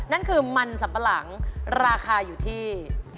นั่นคือมันสัมปะหลังราคาอยู่ที่